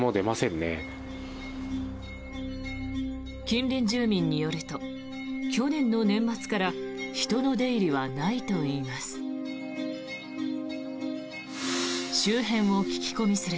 近隣住民によると去年の年末から人の出入りはないといいます。